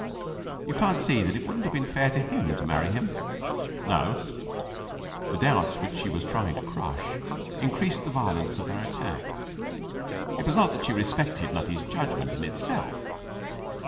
'You can't see that it wouldn't have been fair to him to marry him?' 'No.' The doubts which she was trying to crush increased the violence of their attack. It was not that she respected Nutty's judgement in itself.